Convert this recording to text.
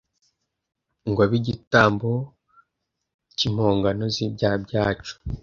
ngo abe igitambo z cy impongano z’ibyaha byacu